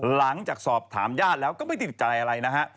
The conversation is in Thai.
หลังจากสอบถามญาติแล้วก็ไม่ติดใจอะไรนะฮะ